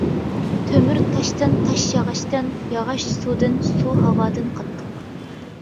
تۆمۈر تاشتىن، تاش ياغاچتىن، ياغاچ سۇدىن، سۇ ھاۋادىن قاتتىق.